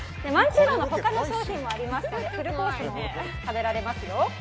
萬珍樓の他の商品もありますのでフルコースも食べられますよ。